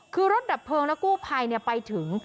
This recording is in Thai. คือรถดับเพลิงและกู้ภัยไปถึง